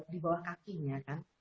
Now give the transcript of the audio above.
di bawah kakinya